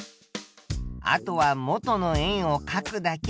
あとは元の円をかくだけ。